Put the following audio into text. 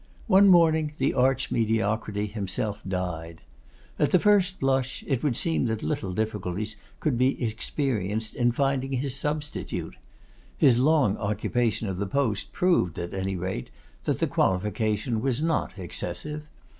One morning the Arch Mediocrity himself died. At the first blush, it would seem that little difficulties could be experienced in finding his substitute. His long occupation of the post proved, at any rate, that the qualification was not excessive.